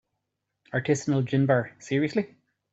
Artisanal gin bar, seriously?!